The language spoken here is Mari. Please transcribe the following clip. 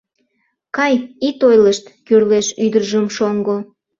— Кай, ит ойлышт! — кӱрлеш ӱдыржым шоҥго.